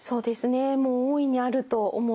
もう大いにあると思います。